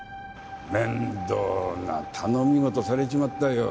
面倒な頼み事されちまったよ。